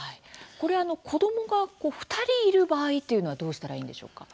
これ子供が２人いる場合っていうのはどうしたらいいんでしょうか？